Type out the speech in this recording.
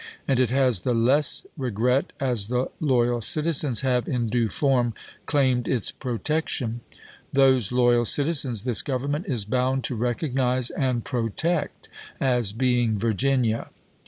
And it has the less regret, as the loyal citizens have, in due form, claimed its protection. Lincoln, Thosc loyal citizens this Government is bound to juiyTfsM. recognize and protect, as being Virginia."